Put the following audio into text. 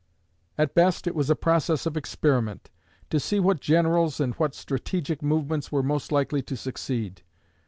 At best it was a process of experiment, to see what generals and what strategic movements were most likely to succeed.